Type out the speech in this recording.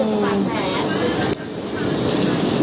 มมอืม